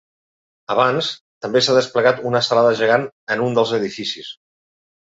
Abans, també s’ha desplegat una estelada gegant en un dels edificis.